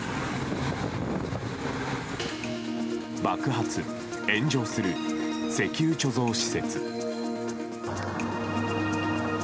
爆発・炎上する石油貯蔵施設。